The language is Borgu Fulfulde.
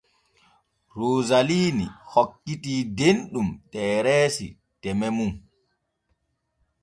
Roosali hokkitii Denɗum Tereesi teme mum.